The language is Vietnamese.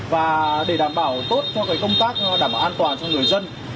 và để đảm bảo tốt cho công tác đảm bảo an toàn cho người dân